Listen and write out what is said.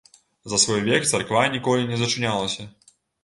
За свой век царква ніколі не зачынялася.